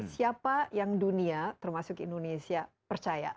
siapa yang dunia termasuk indonesia percaya